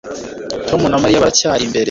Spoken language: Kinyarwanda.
Tom na Mariya baracyari imbere